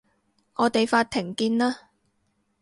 我哋法庭見啦